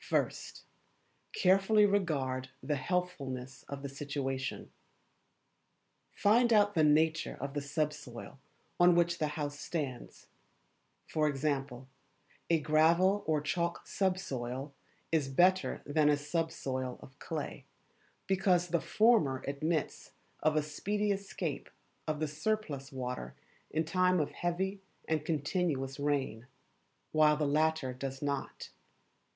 First Carefully regard the Healthfulness of the Situation. Find out the nature of the sub soil on which the house stands for example, a gravel or chalk subsoil is better than a subsoil of clay, because the former admits of a speedy escape of the surplus water in time of heavy and continuous rain, while the latter does not.